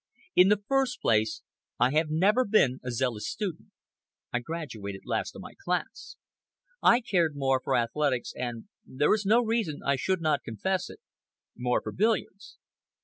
In the first place, I have never been a zealous student. I graduated last of my class. I cared more for athletics, and—there is no reason I should not confess it—more for billiards.